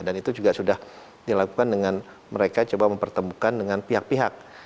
dan itu juga sudah dilakukan dengan mereka coba mempertemukan dengan pihak pihak